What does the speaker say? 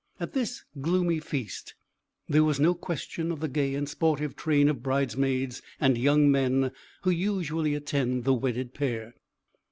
At this gloomy feast, there was no question of the gay and sportive train of bridesmaids and young men, who usually attend the wedded pair.